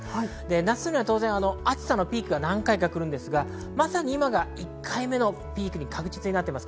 夏には暑さのピークが何回か来ますが、まさに今が１回目のピークに確実になっています。